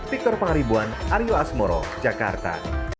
victor pangaribuan aryo asmoro jakarta